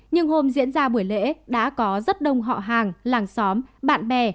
nhưng hôm diễn ra buổi lễ đã có rất đông họ hàng làng xóm bạn bè